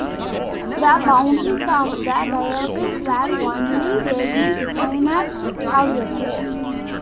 The boundaries of the dioceses were only vaguely defined, however.